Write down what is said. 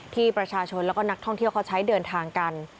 ที่ประชาชนแล้วก็นักท่องเที่ยวเขาใช้เดินทางกัน